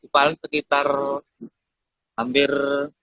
paling sekitar hampir